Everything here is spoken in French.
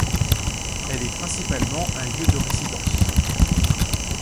Elle est principalement un lieu de résidence.